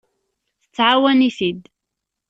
Tettɛawan-it-id.